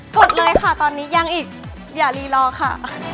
หมดเลยค่ะตอนนี้ยังอีกอย่ารีรอค่ะ